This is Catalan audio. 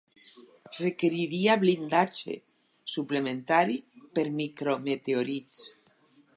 Requeriria blindatge suplementari per micro meteorits.